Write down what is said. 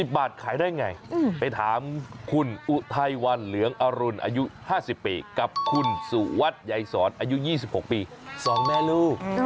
บาทขายได้ไงไปถามคุณอุทัยวันเหลืองอรุณอายุ๕๐ปีกับคุณสุวัสดิ์ใยสอนอายุ๒๖ปี๒แม่ลูก